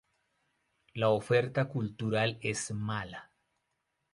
La oferta cultural es mala.